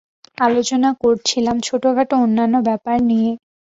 আলোচনা করছিলাম ছোটখাটো অন্যান্য ব্যাপার নিয়ে।